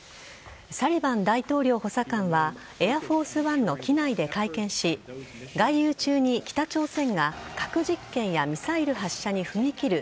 サリバン大統領補佐官はエアフォースワンの機内で会見し外遊中に北朝鮮が核実験やミサイル発射に踏み切る